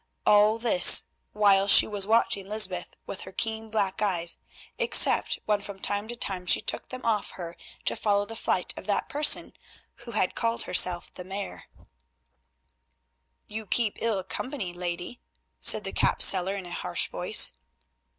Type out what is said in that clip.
All this while she was watching Lysbeth with her keen black eyes, except when from time to time she took them off her to follow the flight of that person who had called herself the Mare. "You keep ill company, lady," said the cap seller in a harsh voice.